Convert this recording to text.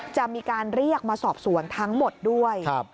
จะมีการเรียกมาสอบสวนทั้งหมดด้วย